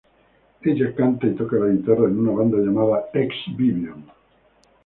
Ella canta y toca la guitarra en una banda llamada Ex Vivian.